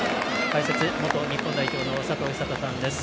解説・元日本代表の佐藤寿人さんです。